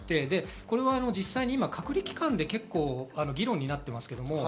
実際今、隔離期間で結構議論になっています。